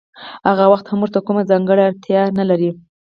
هغه وخت هم ورته کومه ځانګړې اړتیا نلري